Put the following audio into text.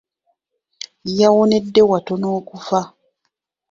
Yawonedde watono okufa.